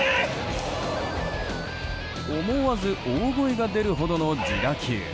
思わず大声が出るほどの自打球。